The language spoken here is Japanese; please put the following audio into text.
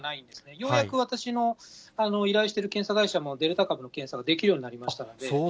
ようやく私の依頼している検査会社も、デルタ株の検査ができるようになりましたので。